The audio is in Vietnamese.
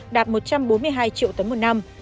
đạt một trăm bốn mươi hai triệu tấn một năm